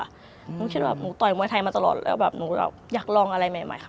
หนูคิดว่าหนูต่อยมวยไทยมาตลอดแล้วแบบหนูอยากลองอะไรใหม่ค่ะ